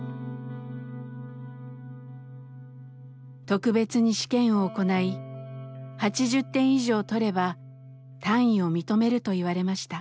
特別に試験を行い８０点以上取れば単位を認めると言われました。